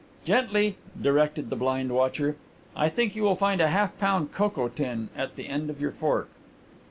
"Gently," directed the blind watcher. "I think you will find a half pound cocoa tin at the end of your fork."